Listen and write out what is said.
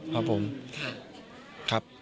ค่ะอ่าชิบ